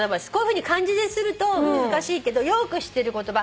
漢字にすると難しいけどよーく知ってる言葉。